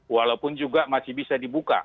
walaupun juga masih bisa dibuka